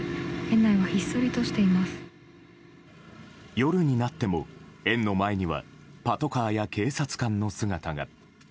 夜になっても、園の前にはパトカーや警察官の姿が。